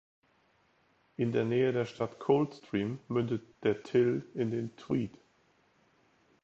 In der Nähe der Stadt Coldstream mündet der Till in den Tweed.